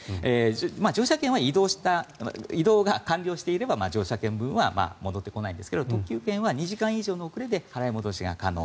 乗車券は移動が完了していれば乗車券分は戻ってこないんですが特急券は２時間以上の遅れで払い戻しが可能。